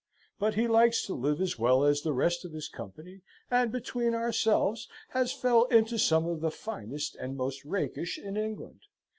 But he likes to live as well as the rest of his company, and, between ourselves, has fell into some of the finist and most rakish in England.